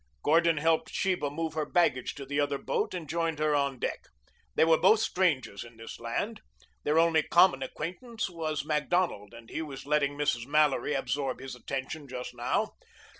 Gordon helped Sheba move her baggage to the other boat and joined her on deck. They were both strangers in the land. Their only common acquaintance was Macdonald and he was letting Mrs. Mallory absorb his attention just now.